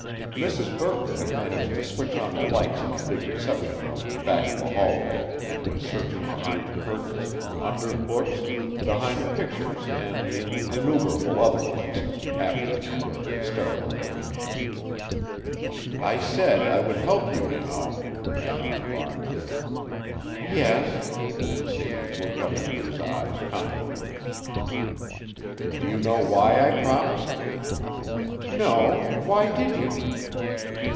Mrs. Burton had managed to switch on the lights in the big reception room back of the hallway and was searching behind curtains, under books, behind pictures and in innumerable other places, after the manner of hysterical women. "I said I would help you, you know," ran on Barnes. "Yes," and Sadie looked up into his eyes confidently. "Do you know why I promised?" "No. Why did you?"